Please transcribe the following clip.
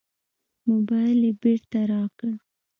موبایل یې بېرته راکړ.